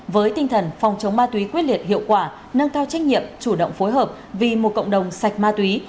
với tinh thần phòng chống ma túy quyết liệt hiệu quả nâng cao trách nhiệm chủ động phối hợp vì một cộng đồng sạch ma túy